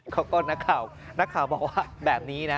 เขาก็นักข่าวนักข่าวบอกว่าแบบนี้นะ